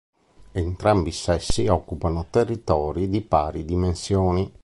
Entrambi i sessi occupano territori di pari dimensioni.